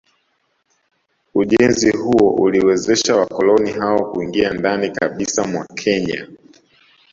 Ujenzi huo uliwezesha wakoloni hao kuingia ndani kabisa mwa Kenya